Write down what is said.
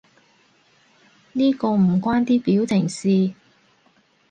呢個唔關啲表情事